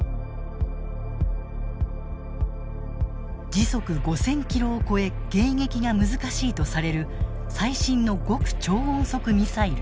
時速５，０００ｋｍを超え迎撃が難しいとされる最新の極超音速ミサイル。